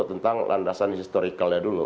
tentang landasan historicalnya dulu